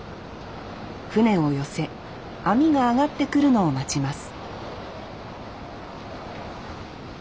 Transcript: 船を寄せ網が揚がってくるのを待ちます